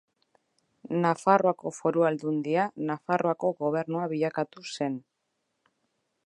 Nafarroako Foru Aldundia Nafarroako Gobernua bilakatu zen.